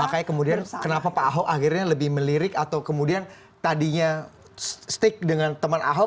makanya kemudian kenapa pak ahok akhirnya lebih melirik atau kemudian tadinya stick dengan teman ahok